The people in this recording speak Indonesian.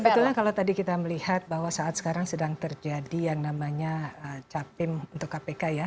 sebetulnya kalau tadi kita melihat bahwa saat sekarang sedang terjadi yang namanya capim untuk kpk ya